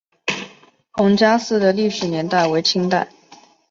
彭家祠的历史年代为清代。